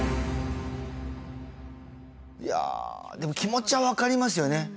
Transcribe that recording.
いやでも気持ちは分かりますよね。